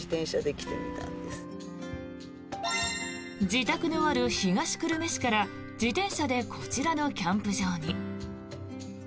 自宅のある東久留米市から自転車でこちらのキャンプ場に。